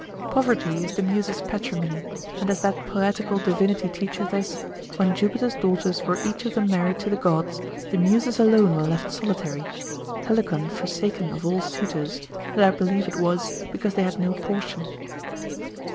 Poverty is the muses' patrimony, and as that poetical divinity teacheth us, when Jupiter's daughters were each of them married to the gods, the muses alone were left solitary, Helicon forsaken of all suitors, and I believe it was, because they had no portion.